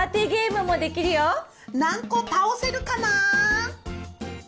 何個倒せるかな？